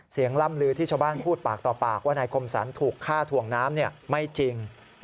ล่ำลือที่ชาวบ้านพูดปากต่อปากว่านายคมสรรถูกฆ่าถ่วงน้ำไม่จริง